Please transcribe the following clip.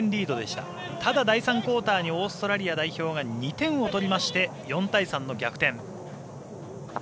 ただ、第３クオーターにオーストラリア代表が２点を取りまして４対３の逆転。